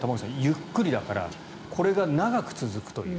ゆっくりだからこれが長く続くという。